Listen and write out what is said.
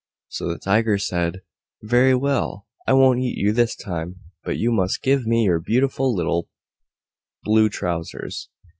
So the Tiger said, "Very well, I won't eat you this time, but you must give me your beautiful little Blue Trousers."